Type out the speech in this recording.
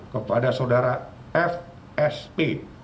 kepada sodara fsp